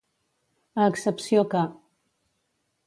A excepció que.